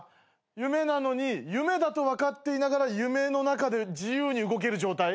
夢なのに夢だと分かっていながら夢の中で自由に動ける状態。